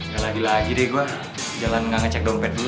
gak lagi lagi deh gue jalan gak ngecek dompet dulu